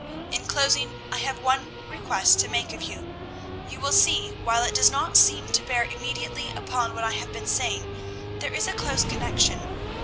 "In closing, I have one request to make of you; you will see, while it does not seem to bear immediately upon what I have been saying, there is a close connection.